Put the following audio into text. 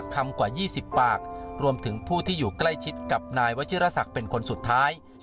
กว่า๒๐ปากรวมถึงผู้ที่อยู่ใกล้ชิดกับนายวัชิรษักเป็นคนสุดท้าย